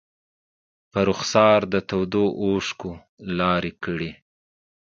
په رخسار دې تودو اوښکو لارې کړي